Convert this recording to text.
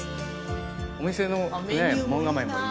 お店の門構えもいい。